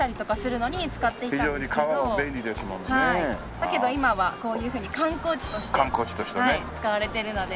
だけど今はこういうふうに観光地として使われているので。